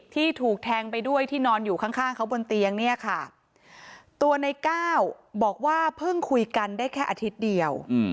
ที่ถูกแทงไปด้วยที่นอนอยู่ข้างเขาบนเตียงเนี่ยค่ะตัวในก้าวบอกว่าเพิ่งคุยกันได้แค่อาทิตย์เดียว